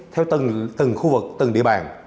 theo từng khu vực từng địa bàn